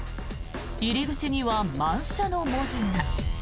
入り口には満車の文字が。